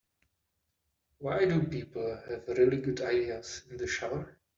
Why do people have really good ideas in the shower?